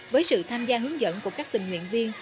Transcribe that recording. với sự tham gia hướng dẫn của các tình nguyện viên